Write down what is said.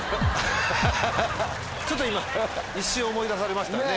ちょっと今一瞬思い出されましたね。